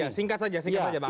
ya singkat saja singkat saja pak